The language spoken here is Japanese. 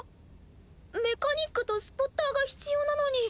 メカニックとスポッターが必要なのに。